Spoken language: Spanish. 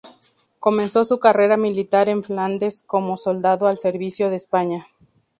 Comenzó su carrera militar en Flandes como soldado al servicio de España.